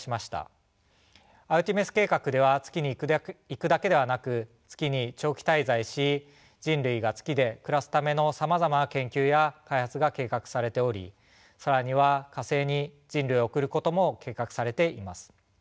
アルテミス計画では月に行くだけではなく月に長期滞在し人類が月で暮らすためのさまざまな研究や開発が計画されており更には火星に人類を送ることも計画されています。